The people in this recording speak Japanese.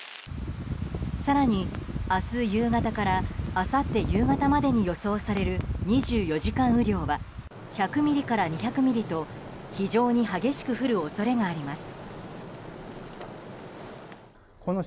更に明日夕方からあさって夕方までに予想される２４時間雨量は１００ミリから２００ミリと非常に激しく降る恐れがあります。